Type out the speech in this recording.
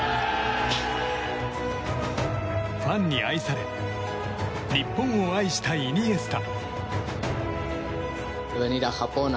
ファンに愛され日本を愛したイニエスタ。